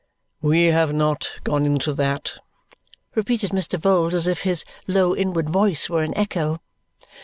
"We have not gone into that," repeated Mr. Vholes as if his low inward voice were an echo.